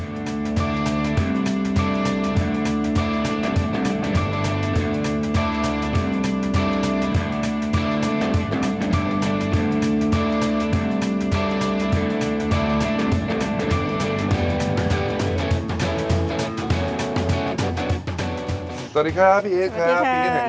สวัสดีครับพี่เอ๊ะครับสวัสดีครับ